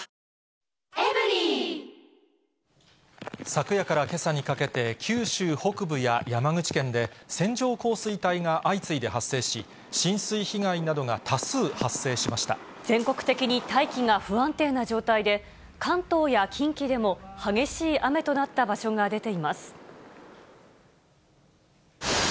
昨夜からけさにかけて、九州北部や山口県で線状降水帯が相次いで発生し、浸水被害などが全国的に大気が不安定な状態で、関東や近畿でも激しい雨となった場所が出ています。